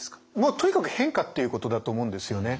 とにかく変化っていうことだと思うんですよね。